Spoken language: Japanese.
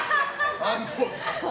安藤さん。